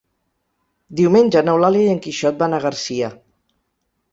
Diumenge n'Eulàlia i en Quixot van a Garcia.